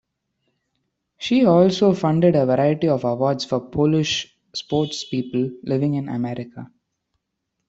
She also funded a variety of awards for Polish sports people living in America.